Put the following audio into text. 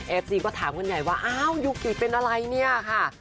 ซีก็ถามกันใหญ่ว่าอ้าวยูกิเป็นอะไรเนี่ยค่ะ